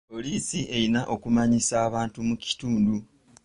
Poliisi erina okumanyisa abantu mu kitundu.